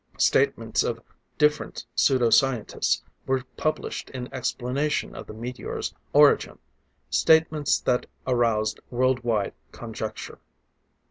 Statements of different pseudo scientists were published in explanation of the meteor's origin, statements that aroused world wide conjecture.